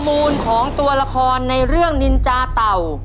มูลของตัวละครในเรื่องนินจาเต่า